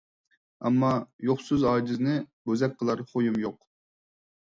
ئەمما يوقسىز ئاجىزنى ،بوزەك قىلار خۇيۇم يوق.